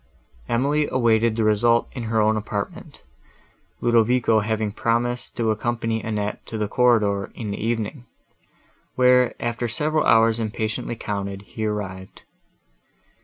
Emily awaited the result in her own apartment, Ludovico having promised to accompany Annette to the corridor, in the evening; where, after several hours impatiently counted, he arrived.